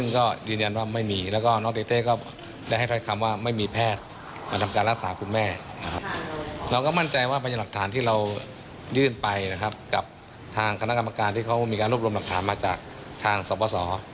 ขณะกรรมการที่เค้ามีการรวบรวมรักษามาจากทางสส